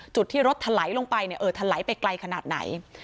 จุดที่รถถลายลงไปเนี่ยเออถลายไปไกลขนาดไหน